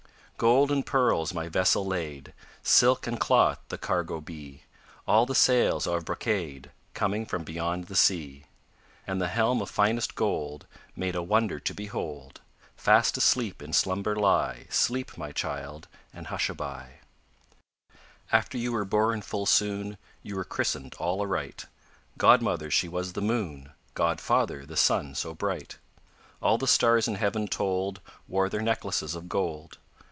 Gold and pearls my vessel lade, Silk and cloth the cargo be, All the sails are of brocade Coming from beyond the sea; And the helm of finest gold, Made a wonder to behold. Fast awhile in slumber lie; Sleep, my child, and hushaby. After you were born full soon, You were christened all aright; Godmother she was the moon, Godfather the sun so bright. All the stars in heaven told Wore their necklaces of gold.